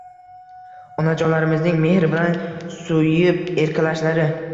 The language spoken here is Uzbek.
Onajonlarimizning mehr bilan suyib erkalashlari